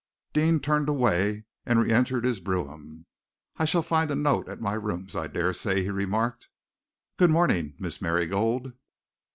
Deane turned away and reëntered his brougham. "I shall find a note at my rooms, I daresay," he remarked. "Good morning, Mrs. Merrygold."